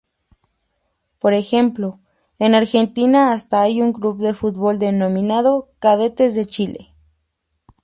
Por ejemplo en Argentina hasta hay un club de fútbol denominado "Cadetes de Chile".